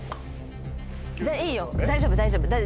じゃあいいよ大丈夫大丈夫。